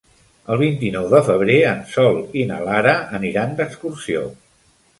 El vint-i-nou de febrer en Sol i na Lara aniran d'excursió.